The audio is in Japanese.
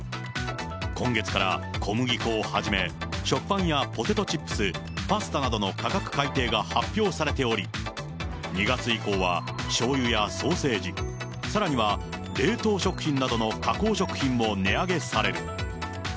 今月から小麦粉をはじめ、食パンやポテトチップス、パスタなどの価格改定が発表されており、２月以降はしょうゆやソーセージ、さらには冷凍食品などの加工食品も値上げされる。